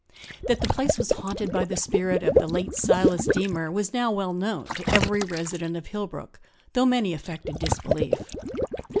That the place was haunted by the spirit of the late Silas Deemer was now well known to every resident of Hillbrook, though many affected disbelief.